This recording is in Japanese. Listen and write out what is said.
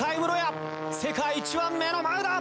世界一は目の前だ！